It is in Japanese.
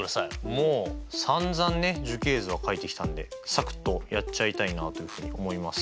もうさんざんね樹形図は書いてきたんでサクッとやっちゃいたいなというふうに思います。